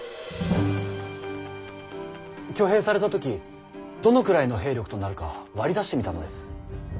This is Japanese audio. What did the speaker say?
挙兵された時どのくらいの兵力となるか割り出してみたのです。